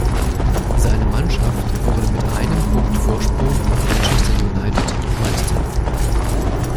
Seine Mannschaft wurde mit einem Punkt Vorsprung auf Manchester United Meister.